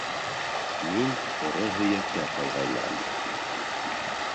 Мин ҡоро һөйәккә ҡалғайным